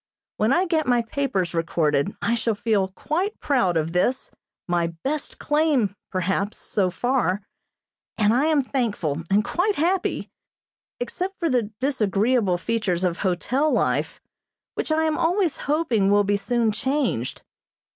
When I get my papers recorded I shall feel quite proud of this, my best claim, perhaps, so far; and I am thankful and quite happy, except for the disagreeable features of hotel life, which I am always hoping will be soon changed.